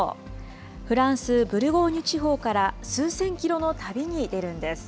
フランス・ブルゴーニュ地方から数千キロの旅に出るんです。